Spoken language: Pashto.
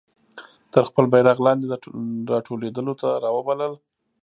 تر خپل بیرغ لاندي را ټولېدلو ته را وبلل.